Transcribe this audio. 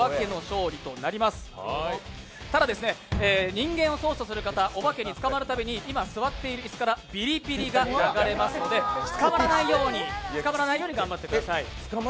ニンゲンを操作する方オバケに捕まるたびに今、座っている椅子からビリビリが流れますので捕まらないように頑張ってください。